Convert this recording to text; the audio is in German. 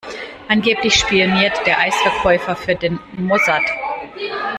Angeblich spioniert der Eisverkäufer für den Mossad.